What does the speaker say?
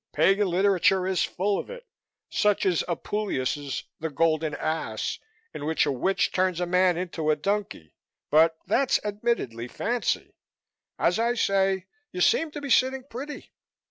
Pagan literature is full of it, such as Apuleius' 'The Golden Ass', in which a witch turns a man into a donkey, but that's admittedly fancy. As I say, you seem to be sitting pretty.